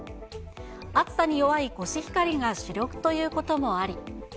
暑さに弱いコシヒカリが主力ということもあり。